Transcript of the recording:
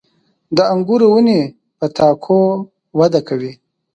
• د انګورو ونې په تاکو وده کوي.